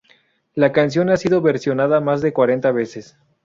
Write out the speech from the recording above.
La canción ha sido versionada más de cuarenta veces.